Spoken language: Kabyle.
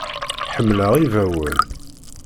Ḥemmleɣ ibawen.